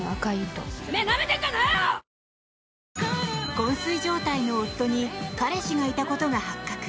こん睡状態の夫に彼氏がいたことが発覚。